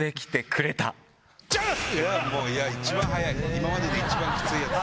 今までで一番きついやつ。